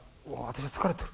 私は疲れてる。